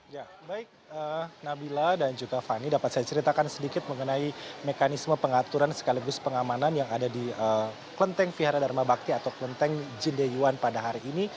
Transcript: ya baik nabila dan juga fani dapat saya ceritakan sedikit mengenai mekanisme pengaturan sekaligus pengamanan yang ada di kelenteng vihara dharma bakti atau kelenteng jindeyuan pada hari ini